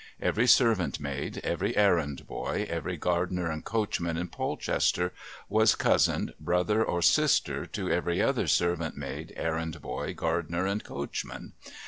Every servant maid, every errand boy, every gardener and coachman in Polchester was cousin, brother or sister to every other servant maid, errand boy, gardener and coachman.